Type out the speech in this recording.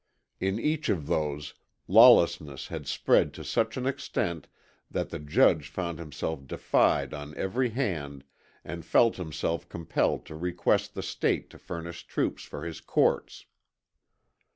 In each of those lawlessness had spread to such an extent that the judge found himself defied on every hand and felt himself compelled to request the State to furnish troops for his courts.